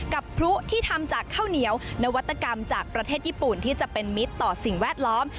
พลุที่ทำจากข้าวเหนียวนวัตกรรมจากประเทศญี่ปุ่นที่จะเป็นมิตรต่อสิ่งแวดล้อม